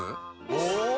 お！